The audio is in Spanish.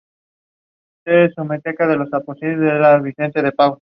Paralelamente, siguió escribiendo algunos trabajos matemáticos.